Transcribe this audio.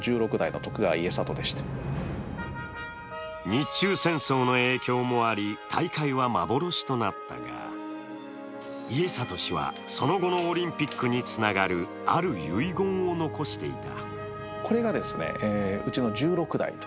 日中戦争の影響もあり大会は幻となったが、家達氏はその後のオリンピックにつながるある遺言を遺していた。